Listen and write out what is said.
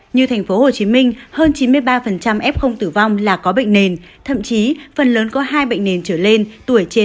như thành phố hồ chí minh hơn chín mươi ba f tử vong là có bệnh nền thậm chí phần lớn có hai bệnh nền trở lên tuổi trên